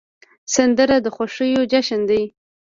سندره د خوښیو جشن دی